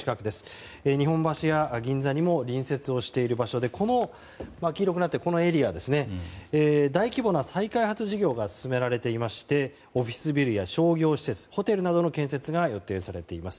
日本橋や銀座にも隣接している場所でこの黄色くなっているエリアは大規模な再開発事業が進められていましてオフィスビルや商業施設ホテルなどの建設が予定されています。